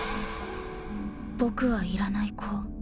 僕はいらない子。